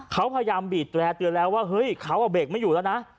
เขาพยายามบีดแร่เตือนแล้วว่าเฮ้ยเขาเบรกไม่อยู่แล้วนะ